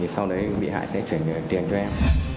sau đấy bị hại sẽ chuyển tiền cho em